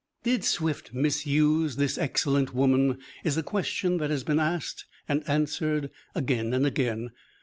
Did Swift misuse this excellent woman, is a question that has been asked and answered again and again.